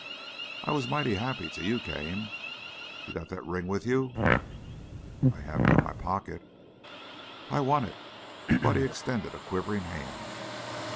I was mighty happy till you came You got that ring with you?" "I have it in my pocket." "I want it." Buddy extended a quivering hand.